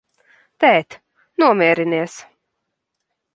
Tēt, nomierinies!